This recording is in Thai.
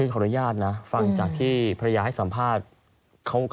ขออนุญาตนะฟังจากที่ภรรยาให้สัมภาษณ์